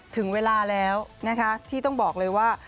ถึงเวลาแล้วนะคะที่ต้องบอกเลยว่า